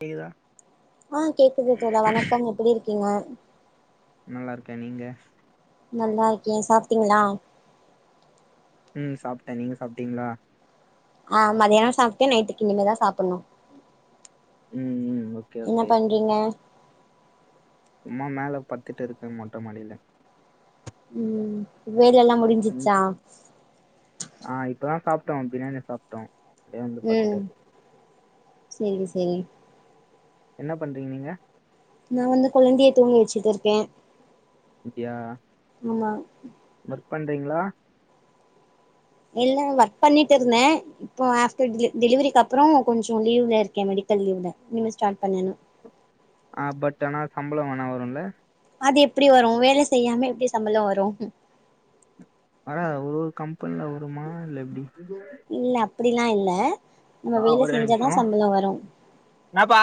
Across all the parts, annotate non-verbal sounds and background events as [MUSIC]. கேக்குதா ஆ கேக்குது தோழா வணக்கம் எப்பிடி இருக்கீங்க நல்லா இருக்கேன் நீங்க நல்லா இருக்கேன் சாப்ட்டீங்ளா ம் சாப்ட்ட நீங்க சாப்ட்டீங்ளா ஆ மதியானோ சாப்ட்டே நைட்டுக்கு இனிமேதா சாப்புணு ம் ம் ஓகே ஓகே நீங்க சும்மா மேல பட்துட்டிருக்க மொட்ட மாடில ம் வேலெல்லா ம் முடிஞ்சிச்சா ஆ இப்பதா சாப்ட்டோ பிரியாணி சாப்ட்டோ அப்டியே வந்து பத்துட்டு ம் இருக்கே செரிங் செரி என்ன பண்றீங் நீங்க நா வந்து கொழந்தைய தூங்க வச்சிட்டுருக்கே அப்டியா ஆமா ஒர்க் பண்றீங்ளா இல்ல ஒர்க் பண்ணிட்டுருந்தே இப்போ ஆஃப்டர் டிலு டெலிவரிக்கப்றோ கொஞ்சோ லீவ்ல இருக்கே மெடிக்கல் லீவ்ல இனிமே ஸ்டாட் பண்ணனு ஆ பட் ஆனா சம்பளோ ஆனா வருல்ல அது எப்டி வரு வேல செய்யாம எப்டி சம்பளோ வரு ஆனா ஒரு ஒரு கம்பெனில வருமா இல்ல எப்டி இல்ல அப்டிலா இல்ல நம்ம ஆ வேல செஞ்சாதா சம்பளோ வரு என்னாப்பா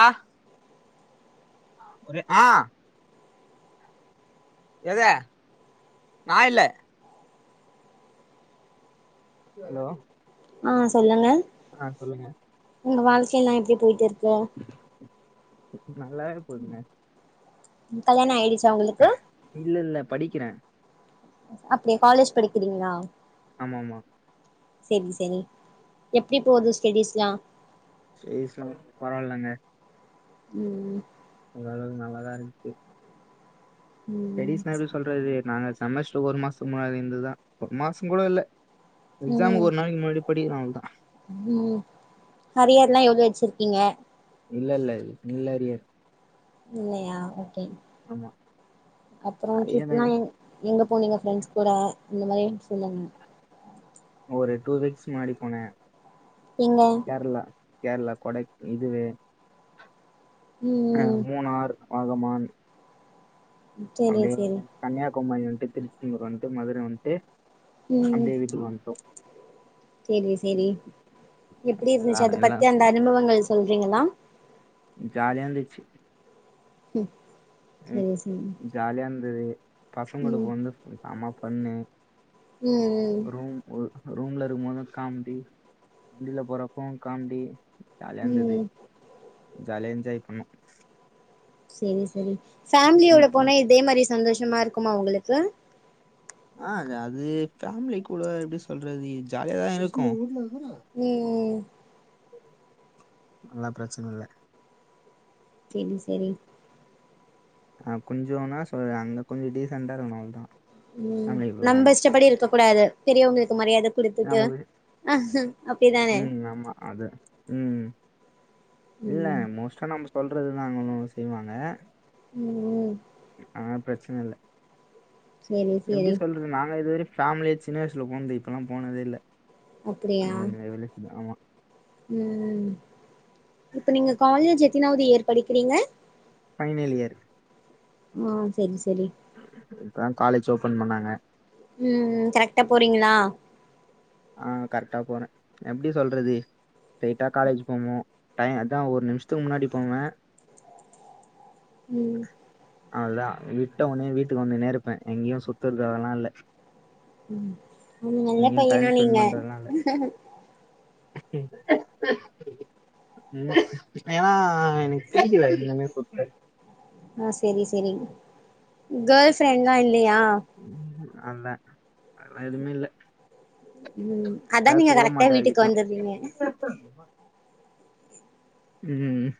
ஒரு ஆ எத நா இல்லை ஹலோ ஆ சொல்லுங்க ஆ சொல்லுங்க உங்க வாழ்க்கைலா எப்டி போய்ட்டுருக்கு நல்லாவே போதுங்க கல்யாணோ ஆய்டுச்சா உங்களுக்கு இல்லல்ல படிக்கிறே அப்டியா காலேஜ் படிக்கிறீங்ளா ஆமாமா செரி செரி எப்டி போது ஸ்டெடீஸ்லா ஸ்டெடீஸ்லா பரவால்லங்க ம் ஓரளவுக் நல்லாதா இருக்து ம் ஸ்டெடீஸ்னா எப்டி சொல்றது நாங்க செமஸ்ட்ரு ஒரு மாஸ்த்துக் முன்னாடி இருந்தத் தா ஒரு மாசோ கூட இல்ல எக்ஸாமுக் ஒரு நாளைக் முன்னாடி படிக்கிறோ அவ்வள் தா ஓ ஓ ஹரியர்லா எவ்ளோ வெச்சிருக்கீங்க இல்லல்ல நில் அரியர் இல்லயா ஓகே ஆமா அப்பறோ அரியர் ட்ரிப்லா எங் எங்க போனீங்க ஃப்ரெண்ட்ஸ் கூட இந்த மாரிலா சொல்லுங்க ஒரு டூ வீக்ஸ் முன்னாடி போனே எங்க கேரளா கேரளா கொடைக் இதுவு ம் அ மூணார், ஆகமான் செரி அப்டியே செரி கன்யாகுமரி வந்ட்டு திருச்செந்தூர் வந்ட்டு மதுர வந்ட்டு அப்டியே வீட்டுக் வந்ட்டோ சேரி சேரி எப்டி எல்லா இருந்துச்சு அத எல்லா பத்தி அந்த அனுபவங்கள் சொல்றீங்களா ம் ஜாலியா இர்ந்துச்சி ம் ம் ஜாலியா இருந்தது பசங்களோட ம் போந்து சம்ம பண்ணு ம் ம் ரூம் ஒ ரூம்ல இருக்கும்போது காமெடி வண்டில போறப்பவு காமெடி ஜாலியா இருந்தது ம் ஜாலியா என்ஜாய் பண்ணோ சேரி சேரி ம் ஃமிலியோட ம் போனா இதே மாரி சந்தோஷமா இருக்குமா உங்களுக்கு ஆ அது ஃபேமிலி கூட எப்டி சொல்றது ஜாலியாதா இருக்கு ம் அதெல்லா பெரச்சன இல்ல சேரி சேரி ஆ கொஞ்சோனா சொல் அங்க கொஞ்சோ டீசண்டா இருக்கணு அவ்ளோதா ம் ஃபேமிலி கூட போனா நம்ம இஷ்டப்படி இருக்க கூடாது பெரியவங்களுக்கு மரியாத குடுத்துட்டு நமக்கு ஆ அப்டி தானே ம் ஆமா அத ம் இல்ல ம் மோஸ்ட்டா நம்ம சொல்றது தா அங்க ஒன்னு செய்வாங்க ம் ஆ ப்ரச்சன இல்ல செரி எப்டி செரி சொல் நாங்க இதுவரயு ஃபேமிலியா சின்ன வயசுல போனது இப்பெல்லா போனதே இல்ல அப்டியா அந்த அந்த [UNINTELLIGIBLE] ஆமா ம் இப்ப நீங்க காலேஜ் எத்தனாவது இயர் படிக்கிறீங்க பைனல் இயர் ஆ செரி செரி இப்பதா காலேஜ் ஓப்பன் பண்ணாங்க ம் கரெக்ட்டா போறீங்களா ஆ கரெக்டா போறே எப்டி சொல்றது லேட்டா காலேஜ் போவோ டைம் அதா ஒரு நிமிஷத்துக்கு முன்னாடி போவே ம் அவ்ளோதா விட்ட உனே வீட்டுக்கு வந்துன்னே இருப்பே எங்கேயு சுத்துறதுலா இல்ல ம் நல்ல எங்கேயு பையனா டைம் ஸ்பெண்ட் நீங்க பண்றதுலா இல்ல [INAUDIBLE] ம் ஏனா எனக் பிடிக்கல இதுனமே [UNINTELLIGIBLE] சொத்து ஆ செரி செரி கேள் ப்ரெண்ட்லா இல்லயா ம் அல்ல அதெல்லா எதுமே இல்ல ம் அதா பேச நீங்க கூட கரெக்டா மாட்டே வீட்டுக்கு யார்க்கிட்டேயு வந்துடுறீங்க ம்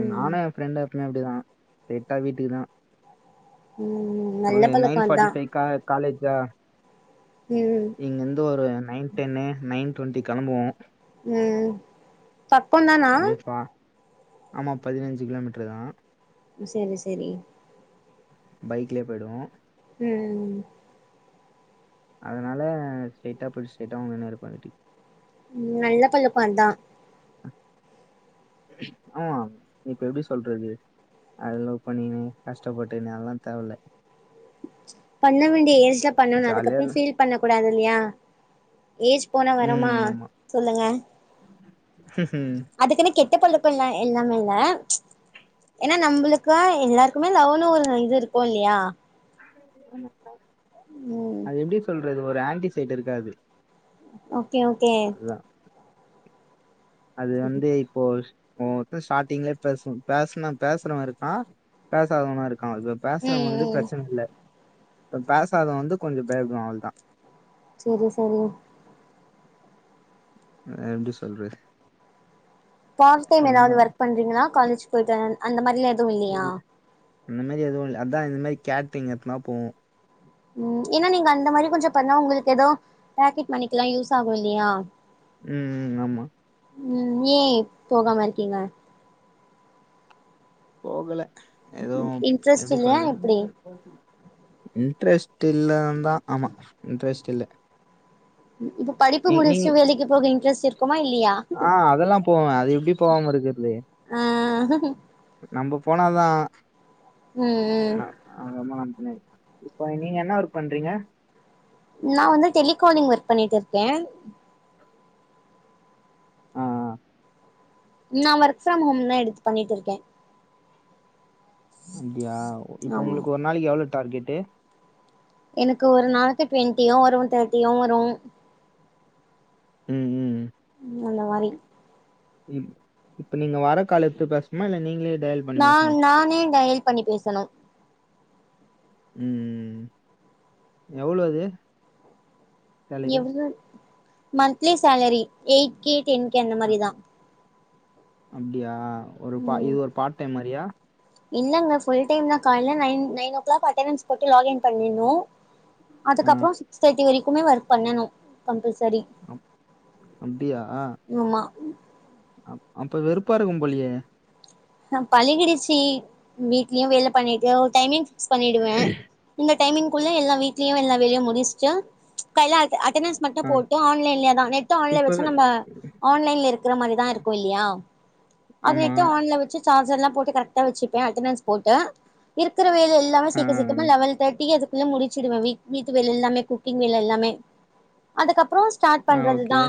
ம் நானு எ ஃப்ரெண்டு எப்பமே அப்டிதா ஸ்ட்ரெயிட்டா வீட்டுக்கு தா ம் நல்ல ஒரு நைன் பழக்கோதா ஃபாட்டி ஃபைவ்க்கா காலேஜா ம் இங்க இருந்து ஒரு நைன் டென்னு நைன் டுவெண்டி கெளம்புவோ ம் பக்கந்தானா அப்டியே பா ஆமா பதினஞ்சு கிலோமீட்டரு தா செரி செரி பைக்லயே போயிடுவோ ம் ம் அதனால ஸ்ட்ரைட்டா போயிட்டு ஸ்ட்ரைட்டா வந்துட்டே இருப்ப வீட்டுக்கு ம் நல்ல பழக்கோ அதா ஆ இப்ப எப்டி சொல்றது அ லவ் பண்ணினு கஷ்டப்பட்டுன்னு அதெல்லா தேவல்ல பண்ண வேண்டிய ஏஜ்ல பண்ணணு ஜாலியா அதுக்கப்புறோ ஃபீல் பண்ண கூடாது இல்லியா ஏஜ் போனா வரமா ம் ஆமா சொல்லுங்க அதுக்குன்னு கெட்ட பழுக்க இல்லா இல்லாம இல்ல ஏனா நம்மளுக்கா எல்லார் க்கு லவனு ஒரு இது இருக்கு இல்லயா ம் அது எப்டி சொல்றது ஒரு ஆன்டிசைடு இருக்காது ஓகே ஓகே அதுதான் அது வந்து இப்போ ஸ் இப்போநாது ஸ்டாட்டிங்லயே பேச பேசன பேசுறவ இருக்கா பேசாதவனா இருக்கா அது பேசுறவ ம் வந்து ம் பிரச்சன இல்ல இப்ப பேசாதவ வந்து கொஞ்ச பேயப்டுவா அவ்ள தா செரி செரி அ எப்டி சொல்றத் பார்ட் டைம் ஏதாது ஒர்க் பண்றீங்களா காலேஜ் போயிட் அந்த மாரிலா எது இல்லியா இல்ல இந்த மாரி எது இல் அதா இந்த மாதி கேட்டிங் எத்னா போகு ம் ஏனா நீங்க அந்த மாரி கொஞ்ச பண்ணா உங்களுக் ஏதோ பேக்கெட் மணிக்கெல்லா யூஸ் ஆகு இல்லியா ம் ம் ஆமா ம் ஏ போகாம இருக்கீங்க போகல எதுவும் இன்ட்ரெஸ்ட் எப்டி இல்லையா எப்டி சொல்றது இன்ட்ரெஸ்ட் இல்லான் தா ஆமா இன்ட்ரெஸ்ட் இல்ல இப்ப படிப்பு நீ- நீங்க முடிச்சுடு வேலைக்கி போக இன்ட்ரெஸ்ட் இருக்குமா இல்லியா ஆ அதெல்லா போவே அது எப்டி போகாம இருக்கிற்து ஆஹ் நம்ம போனாதா இது ஆ ரொம்ப நன்றி இப்ப நீங்க என்ன ஒர்க் பண்றீங்க நா வந்து டெலிகாலிங் ஒர்க் பண்ணிக்ட்டு இருக்கே ஆ ஆ நா ஒர்க் ப்ரம் ஹோம் தா எடுத்து பண்ணிக்ட்ருக்கே அப்படியா இப்ப ஆமா உங்களுக்கு ஒரு நாளைக்கி எவ்வளோ டார்கெட்டு் எனக்கு ஒரு நாளைக்கி டுவெண்ட்டியு வரு தேட்டியு வரு ம் ம் ம் அந்த மாரி இப்ப நீங்க வர கால எடுத்து பேசனுமா இல்ல நீங்களே டயல் பண்ணி நா பேசணுமா நானே டயல் பண்ணி பேசணு ம் எவளோ அது சேலரி இவ் monthly salary eight K ten K அந்த மாரி தா அப்டியா ஒரு பா ம் இது ஒரு பார்ட் டைம் மாரியா இல்லங்க புல் டைம் தா கால்ல nine nine o'clock attendance போட்டு லாக் இன் பண்ணின்ணு ஆ அதுக்கப்புறோ சிக்ஸ் தேட்டி வரைக்குமே ஒர்க் பண்ணணு கம்பல்சரி அப் அப்டியா ஆமா அ அப்ப வெறுப்பா இருக்கும் போலியே நம் பழகிடிச்சு வீட்லயு வேல பண்ணிட்டு ஒரு டைமிங் ஃபிக்ஸ் பண்ணிடுவ இந்த டைமிங்குள்ள எல்லா வீட்லயு எல்லா வேலயு முடுச்சுட்டு காய்ல அட்டெண்டன்ஸ் மட்டு ஆ போட்டு ஆன்லைன்லே தா நெட்டு ஆன்லே வச்சு இப்பதான் நம்ம ஆன்லைன்ல இருக்கிற மாரி தா இருக்கு இல்லியா ஆமா அதுவெக்கு ஆன்ல விட் சு சார்ஜர்லா போட்டு கரெக்டா வெச்சுப்பே அட்டனன்ஸ் போட்டு இருக்கிற வேலை எல்லாம ஆ சீக்கிர செஞ்சுப்ப லெவல் தேர்டிகு அதுக் குள்ள முடிச்சிடுவே வீட்டு வேல எல்லாமே குக்கிங் வேல எல்லாமே அதுக்கப்புற ஸ்டார்ட் ஆ பண்றது ஓகே தா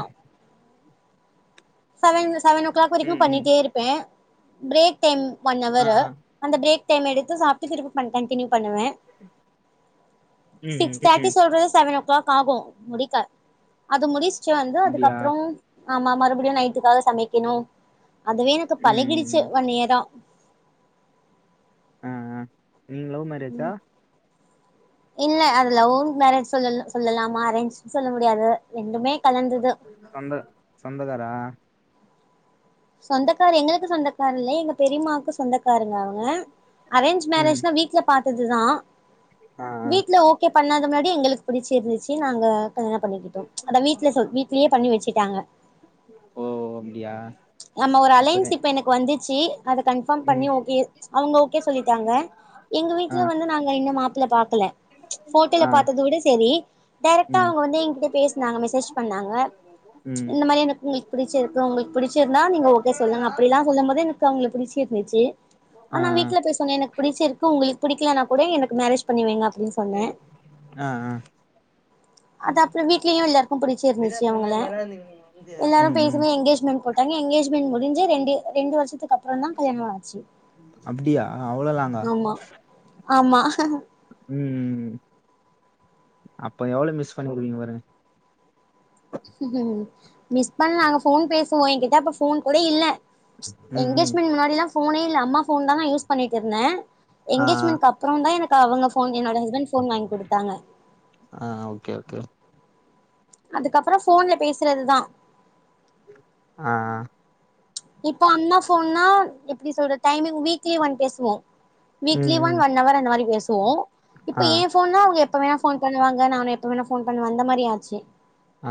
செவன் செவன் ஓ கிளாக் வரைக்கு ம் ம் பண்ணிட்டே இரு பே பிரேக் டைம் ஒன் ஆ அவரு ஆ அந்த பிரேக் டைம் எடுத்து சாப்ட்டு திருப்பி பண் கண்டினியூ பண்ணுவே ம் ம் சிக்ஸ் ம் தேர்ட்டி ம். சொல்றது செவனோ கிளாக் ஆகு முடிக்க அது முடிச்ட்டு வந்து இப்படியா அதுக்கப்புற ஆமா மறுபிடியு நைட்டுக்காக சமைக்கிணு அதுவே எனக்கு ம் ம் பழகிடுச்சு ம். ஒன் இயர்ரா ஆ ஆ நீ லவ் மேரே ம் இல்ல அது லவ் மேரேஜ் சொல்ல சொல்லலாமா அரேஞ்ச் சொல்ல முடியாது ரெண்டுமே கலந்தது சொந்த சொந்தகாரா சொந்தக்கார எங்களுக்கு சொந்தக்கார் இல்ல எங்க பெரியம்மாவுக்கு சொந்தக்காருங்க அவுங்க அரேஞ்ச் ம் மேரேஜ்னா வீட்ல பாத்ததுதா ஆ ஆ வீட்ல ஓ கே பண்ணாத முன்னாடி எங்களுக்கு பிடிச்சிருந்து சி நாங்க கல்யாண பண்ணிக்கிட்டோ அத வீட்ல சொல்லி வீட்லேயே பண்ணி வெச்சுட்டாங்க ஓ அப்டியா நம்ம ஒரு அலையன்ஸ்ஷிப் எனக்கு வந்துச்சு அத கண் ம் பாம்பண்ணி ஓகே அவுங்க ஓகே சொல்லிட்டாங்க எங்க ஆ வீட்ல வந்து நாங்க இன்னு மாப்பிள பாக்கல போட்டோல ஆ பாத்தது விட சரி டேரெக்டா ம் அவுங்க வந்து எங்கிட்ட பேசினாங்க மெசேஜ் பண்ணாங்க ம் இந்த மாரி எனக் உங்களுக் பிடிச்சிருக்கு உங்களுக் பிடிச் நா நீங்க ஓகே சொல்லுங்க அப்பிடில்லா சொல்லு போது எனக்கு அவுங்கல பிடிச்சி இருந்துச்சி ஆ ஆனா வீட்ல பேச உன்ன எனக் புடிச்சிருக்கு உங்ளுக் புடிக்கலனா கூட எனக்கு மேரேஜ் பண்ணி வையிங்க அப்டின் ம் ம் அது அப்புற வீட்லயு எல்லாருக்கு பிடிச்சிருந்துச்சு ண்ண அவங்கள மல இருந்தீங்க நீ வா [UNINTELLIGIBLE] தனியா எங்கேஜ்மெண்ட் முடிஞ்சு ரெண்டு ரெண்டு வருஷத்துக்கு அப் புற தா கல்யாண வாச்சி அப்படியா அவ்வளோ லாங்கா ஆமா ஆமா ம் அப்ப எவ்ளோ மிஸ் பண்ணிருவீங்க பாருங்க மிஸ் பண்ண நாங்க போன் பேசுவோ எங்கிட்ட அப்ப போன் கூட இல்ல ம் ம் எங்கேஜ்மென் முன்னாடிலா போனே இல்ல அம்மா போன் தா நா யூஸ் பண்ணிட் இருந்தே ஆ எங்கேஜ்மெண்ட் அப் அப்புறம்தா எனக்கு அவுங்க ஃபோன் என்னோட ஹஸ்பண்ட் ஃபோன் வாய்ங் குடுத்தாங்க ஆ ஓகே ஓகே ஓ அதுக்கப்புற போன்ல பேசுறதுதா ம் ம் இப்போ அண்ணா போன்னா எப்டி சொல்றத் டைமிங் வீக்லி ஒன் பேசுவோ வீக்லி ம் ஒன் ம் ஒன்னவர் அந்த மாரி பேசுவோ இப்ப ஆ ஏ ஃபோன்னா அவுங்க எப்ப வேண போன் பண்ணுவாங்க நானு எப்ப வேண போன் பண்ணுவ அந்த மாரி ஆச்சு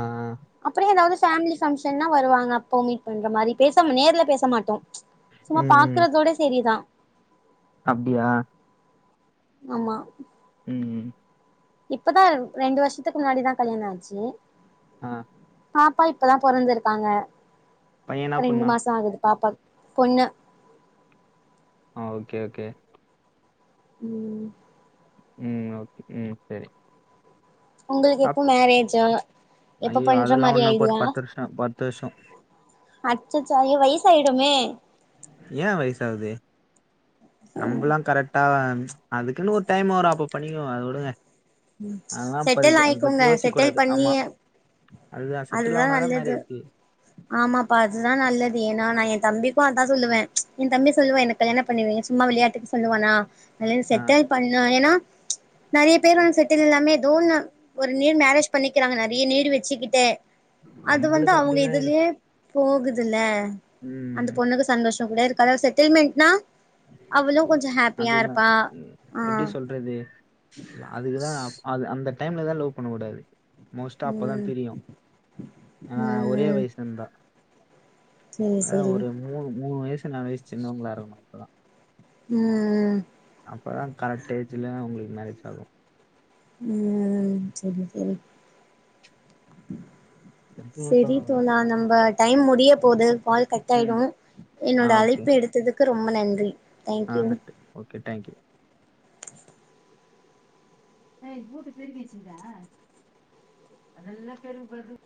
ஆ ஆ அப்புற ஏதாவது பேமிலி பங்ஷன்னா வருவாங்க அப்பவு மீட் பண்ற மாரி பேசம் நேர்ல பேச மாட்டோ சும்மா ம் ம் பாக்குறதோட செரிதா அப்டியா ஆமா ம் இப்பதா ரெண்டு வருஷத்துக்கு முன்னாடி தா கல்யாண ஆச்சு ஆ பாப்பா இப்பதா பொறந்திருக்காங்க பைய என்ன ரெண்டு பண்ணா மாச ஆகுது பாப்பா பொண்ணு ஓ ஓகே ஓகே ம் ம் ஓகே ம் செரி உங்குளுக்கு எப்போ மேரேஜூ எப்ப ஐயோ பண்ற அதெல்லா மாரி ஒன்னு இப்ப ஒரு ஐடியா பத்து வருஷோ பத்து வருஷோ அச்சசோ [INAUDIBLE] வய்சு ஆயிடுமே ஏ வய்சு ஆவூது நம்பலா கரெக்ட் அதுக்குன் ஒரு டைம் வரு அப்போ பண்ணிக்கிலா அத வடுங்க ஆனா பதிப்பு செட்டில் அதுஎல்லாம் அத பத்தி ஆயிக்கோங்க செட்டில் யோசிக்ககூடாது பண்ணி ஆமா அதுதா செட்டுல் ஆவனாதா மேரேஜி ஆமாப்பா அதுதா நல்லது ஏன்னா நா என் தம்பிக்கு அதா சொல்லுவே என் தம்பி சொல்லுவே எனக் கல்யாணம் பண்ணுவீங்க சும்மா விளையாட்டுக்கு சொல்லுவேனா கல்யாணம் ஆ செட்டாய் பண்ணா ஏன்னா நெறைய பேர் வந்து செட் இல்லாமே தோண ஒரு நீர் மேரேஜ் பண்ணிக்கிறாங்க நெறைய நீடு வெச்சுக்கிட்டு அது வந்து நம்பளுக்கு அவுங்க அப்டிலா இல்ல இதுலே போகுதுல அந்த ம் பொண்ணுக்கு சந்தோஷ கூட இருக்காது செட்டில்மெண்ட்னா அவளு கொஞ்ச ஹாப்பியா இருப்பா ஆ பண்ணறது அதுக்குதா அந்த டைம்லதா லவ் பண்ணக்கூடாது மோஸ்டா அப்பதா ம் தெரியு ஏனா ஒரே ம் வய்சு இருந்தா சேரி அ சேரி ஒரு மூணு மூணு வயசு நாளு வயசு சின்னவுங்களா இருக்கணு அப்பதா ம் அப்பதா கரெக்ட் ஏஜ்ல உங்குளுக்கு மேரேஜ் ஆகு உம் செரி செரி செரி தோழா நம்ப டைம் முடிய போது கால் கட் ஆயிடு ம் ஆ என்னோட ஓகே அழைப்ப எடுத்ததுக்கு ரொம்ப நன்றி ஆ தேங்க்யூ நன்றி ஓகே டேங்க்யூ ஏய் ஊட்ட பெருக்கி வெச்சிகிதா நல்லா பெருக்கு பெருக்கு